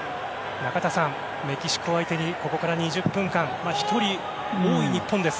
中田さん、メキシコ相手にここから２０分間１人多い日本です。